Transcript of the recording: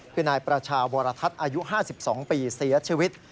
คือนายประชาวรทัศน์อายุห้าสิบสองปีเสียชีวิต